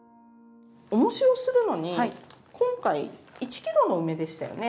おもしをするのに今回１ｋｇの梅でしたよね。